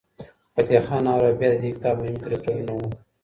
فتح خان او رابعه د دې کتاب مهم کرکټرونه وو.